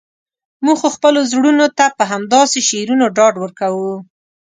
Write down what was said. موږ خو خپلو زړونو ته په همداسې شعرونو ډاډ ورکوو.